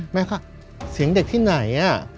แม่เขาว่าเสียงเด็กที่ไหนอะ